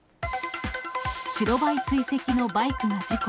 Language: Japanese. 白バイ追跡のバイクが事故。